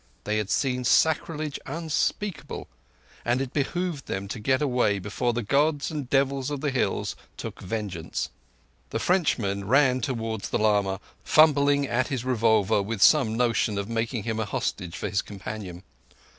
They had seen sacrilege unspeakable, and it behoved them to get away before the Gods and devils of the hills took vengeance. The Frenchman ran towards the lama, fumbling at his revolver with some notion of making him a hostage for his companion.